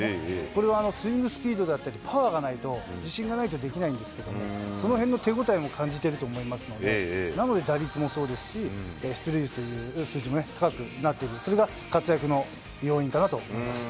これはスイングスピードであったり、パワーがないと、自信がないとできないんですけれども、そのへんの手応えを感じていると思いますので、なので打率もそうですし、出塁率も高くなっている、それが活躍の要因かなと思います。